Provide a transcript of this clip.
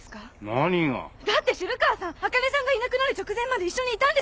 何が？だって渋川さんあかねさんがいなくなる直前まで一緒にいたんですよね？